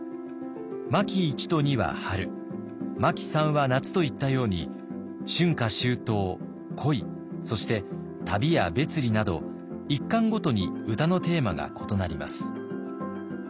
巻一と二は春巻三は夏といったように春夏秋冬恋そして旅や別離など１巻ごとに歌のテーマが異なります。